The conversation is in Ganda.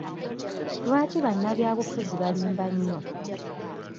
Lwaki bannabyabufuzi balimba nnyo?